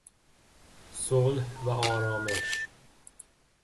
صلح و آرامش